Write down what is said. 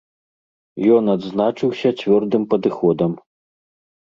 Ён адзначыўся цвёрдым падыходам.